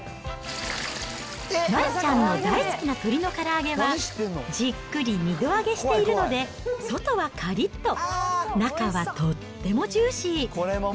丸ちゃんの大好きな鶏のから揚げは、じっくり２度揚げしているので、外はかりっと、中はとってもジューシー。